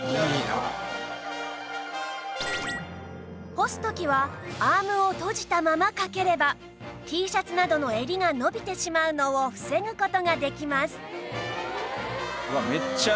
干す時はアームを閉じたままかければ Ｔ シャツなどの襟が伸びてしまうのを防ぐ事ができます